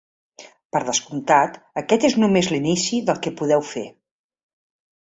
Per descomptat, aquest és només l'inici del que podeu fer.